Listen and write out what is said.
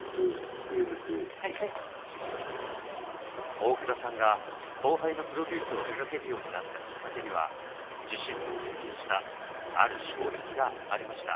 大倉さんが後輩のプロデュースを手がけるようになったきっかけには自身も経験したある障壁がありました。